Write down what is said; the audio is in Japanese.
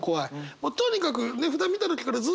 もうとにかく値札見た時からずっと怖い。